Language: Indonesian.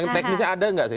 teknisnya ada nggak sih